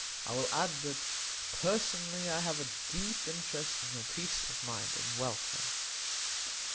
I will add, that personally I have a deep interest in your peace of mind and welfare."